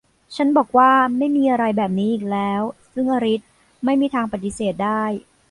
ฉันบอกว่า ไม่มีอะไรแบบนี้อีกแล้ว ซึ่งอลิซไม่มีทางปฏิเสธได้